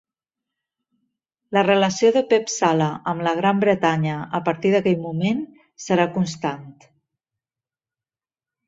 La relació de Pep Sala amb la Gran Bretanya a partir d'aquell moment serà constant.